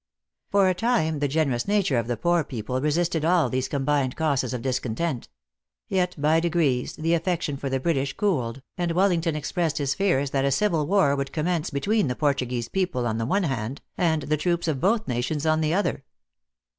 :" For a time the generous nature of the poor people resisted all these combined causes of discontent, yet by degrees the affection for the British cooled, and "Wellington expressed his fears that a civil war would commence between the Portuguese people on the one hand, and the troops of both nations on the other.